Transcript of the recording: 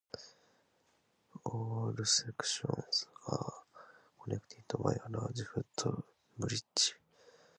All sections are connected by a large footbridge.